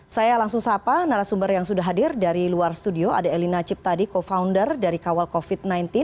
saya langsung sapa narasumber yang sudah hadir dari luar studio ada elina ciptadi co founder dari kawal covid sembilan belas